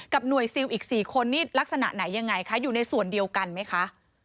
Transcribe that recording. หน่วยซิลอีก๔คนนี่ลักษณะไหนยังไงคะอยู่ในส่วนเดียวกันไหมคะ